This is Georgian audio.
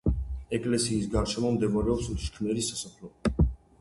ეკლესიის გარშემო მდებარეობს შქმერის სასაფლაო.